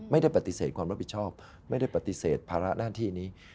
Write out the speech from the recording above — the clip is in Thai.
ไม่ได้ปฏิเสธความรับผิดชอบไม่ได้ปฏิเสธภาระหน้าที่นี้